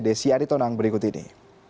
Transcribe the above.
desy aritonang berikut ini